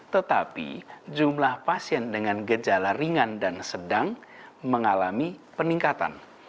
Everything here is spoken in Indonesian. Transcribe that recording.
tetapi jumlah pasien dengan gejala ringan dan sedang mengalami peningkatan